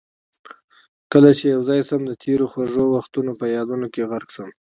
کله چې یوازې شم د تېرو خوږو وختونه په یادونو کې غرق شم.